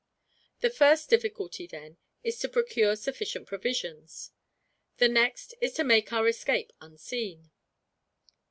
"The first difficulty, then, is to procure sufficient provisions. The next is to make our escape unseen.